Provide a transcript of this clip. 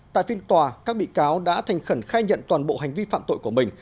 tại phiên tòa các bị cáo đã thành khẩn khai nhận toàn bộ hành vi phạm tội của mình